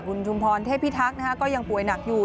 คุณชุมพรเทพิทักษ์ก็ยังป่วยหนักอยู่